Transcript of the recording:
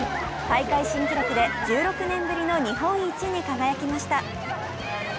大会新記録で１６年ぶりの日本一に輝きました。